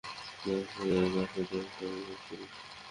বস, তার সাথে একটা মেয়েও ছিল।